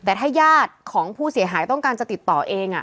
เอาการแจ้งของผู้เสียหายต้องการจะติดต่อเอง